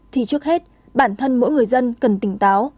thì trước hết bản thân mỗi người dân cần tỉnh táo